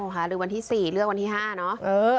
หาลือวันที่๔เลือกวันที่๕เนอะ